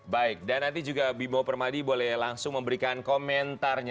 baik dan bimo permadi akan juga memberikan komentarnya